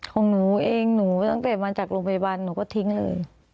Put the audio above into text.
ของหนูเองหนูตั้งแต่มาจากโรงพยาบาลหนูก็ทิ้งเลย